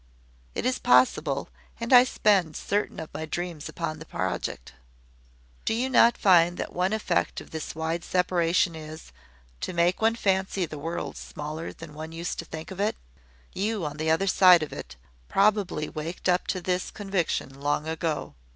It is possible; and I spend certain of my dreams upon the project. Do you not find that one effect of this wide separation is, to make one fancy the world smaller than one used to think it? You, on the other side of it, probably waked up to this conviction long ago.